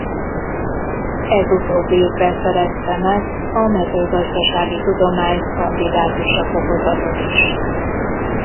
Ez utóbbi évben szerezte meg a mezőgazdasági tudomány kandidátusa fokozatot is.